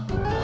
hah air got